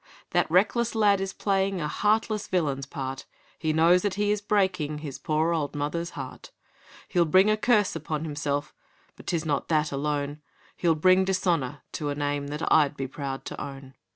'That reckless lad is playing A heartless villain's part; He knows that he is breaking His poor old mother's heart. He'll bring a curse upon himself; But 'tis not that alone, He'll bring dishonour to a name That I'D be proud to own.